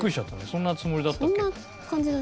そんなつもりだったっけ？